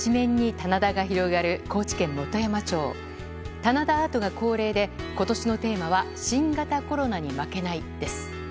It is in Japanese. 棚田アートが恒例で今年のテーマは「新型コロナに負けない」です。